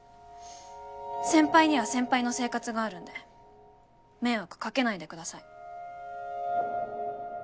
先輩には先輩の生活があるんで迷惑かけないでください。